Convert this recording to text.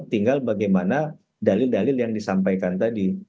tinggal bagaimana dalil dalil yang disampaikan tadi